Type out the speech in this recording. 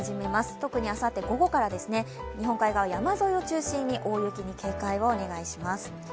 特にあさって午後から日本海側、山沿いを中心に大雪に警戒をお願いします。